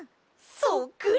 そっくり！